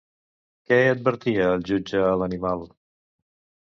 Què advertia el jutge a l'animal?